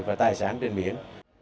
và tài sản trên biển